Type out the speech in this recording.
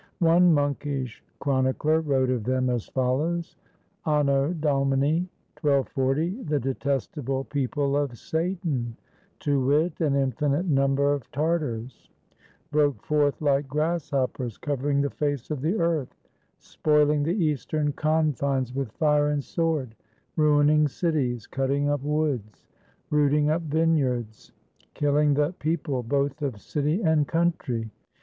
One monkish chron icler wrote of them as follows: "Anno Domini, 1240, the de testable people of Satan, to wit, an infinite number of Tartars, broke forth like grasshoppers covering the face of the earth, spoiling the eastern coniines with fire and sword, ruining cities, cutting up woods, rooting up vineyards, killing the people both of city and country.